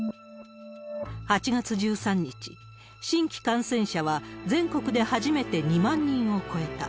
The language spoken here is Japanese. ８月１３日、新規感染者は全国で初めて２万人を超えた。